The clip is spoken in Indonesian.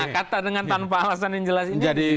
kata dengan tanpa alasan yang jelas ini